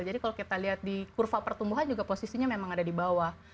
jadi kalau kita lihat di kurva pertumbuhan juga posisinya memang ada di bawah